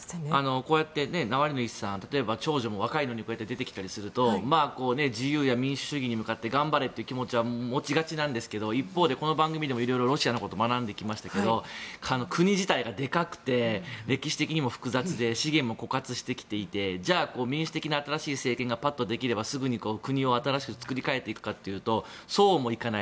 こうやってナワリヌイさんは長女も若いのにこうやって出てきたりすると自由や民主主義に向かって頑張れという気持ちは持ちがちなんですが一方でこの番組でも色々ロシアのことを学んできましたけど国自体がでかくて歴史的にも複雑で資源も枯渇してきていてじゃあ、民主的な新しい政権がパッとできればすぐに国を新しく作り替えていくかというとそうもいかない。